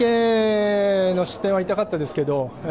ＰＫの失点は痛かったですが